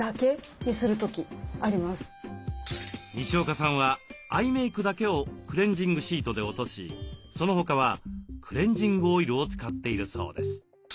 にしおかさんはアイメークだけをクレンジングシートで落としその他はクレンジングオイルを使っているそうです。